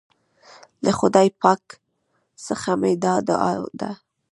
له خدای پاک څخه مي دا دعا ده